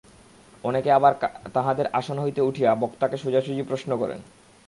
অনেকে আবার তাঁহাদের আসন হইতে উঠিয়া বক্তাকে সোজাসুজি প্রশ্ন করেন।